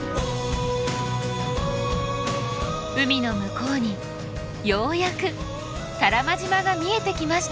海の向こうにようやく多良間島が見えてきました。